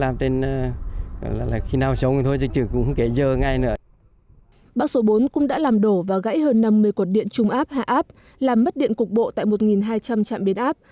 bão số bốn cũng đã làm đổ và gãy hơn năm mươi cột điện trung áp hạ áp làm mất điện cục bộ tại một hai trăm linh trạm biến áp